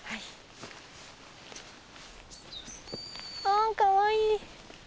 あっかわいい。